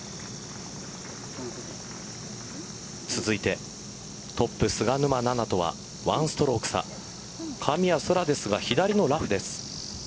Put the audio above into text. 続いてトップ菅沼菜々とは１ストローク差神谷そらですが、左のラフです。